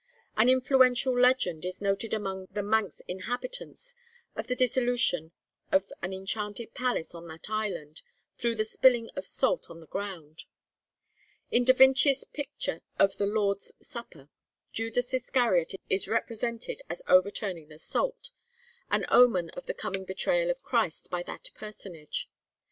An influential legend is noted among the Manx inhabitants, of the dissolution of an enchanted palace on that island, through the spilling of salt on the ground. In Da Vinci's picture of the Lord's Supper, Judas Iscariot is represented as overturning the salt an omen of the coming betrayal of Christ by that personage.